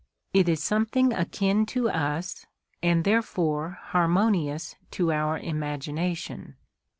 It is something akin to us, and therefore harmonious to our imagination.